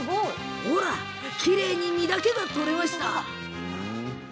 ほら、きれいに身だけが取れました。